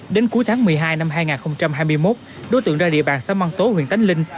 đến cuối tháng một mươi hai năm hai nghìn hai mươi một đối tượng ra địa bàn xã măng tố huyện tánh linh